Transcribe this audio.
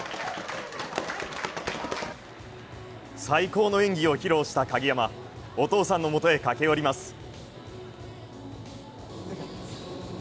最高の演技を披露した鍵山、お父さんのもとへ駆け寄ります。